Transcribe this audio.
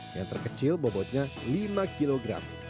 yang terkecil bobotnya lima kg